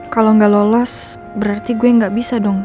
kalau nggak lolos berarti gue gak bisa dong